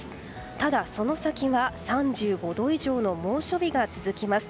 ただ、その先は３５度以上の猛暑日が続きます。